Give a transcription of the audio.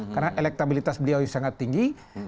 karena elektabilitas beliau sangat tinggi